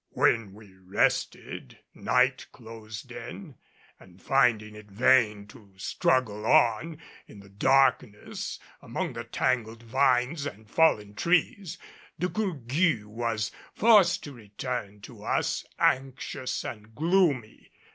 While we rested, night closed in, and finding it vain to struggle on in the darkness among the tangled vines and fallen trees, De Gourgues was forced to return to us anxious and gloomy.